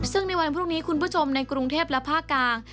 ซึ่งในวันพรุ่งนี้คุณผู้ชมในกรุงเทพและภาคกลาง